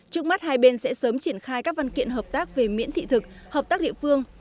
trước mắt hai bên sẽ sớm triển khai các văn kiện hợp tác về miễn thị thực hợp tác địa phương